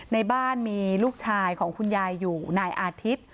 ในบ้านมีลูกชายของคุณยายอยู่นายอาทิตย์